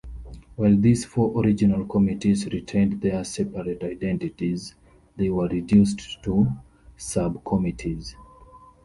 While these four original committees retained their separate identities, they were reduced to subcommittees.